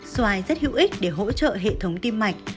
xoài rất hữu ích để hỗ trợ hệ thống tim mạch